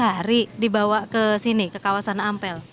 lima puluh hari dibawa ke sini ke kawasan ampel